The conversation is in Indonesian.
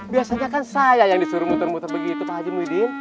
biasanya kan saya yang disuruh muter muter begitu pak haji muidin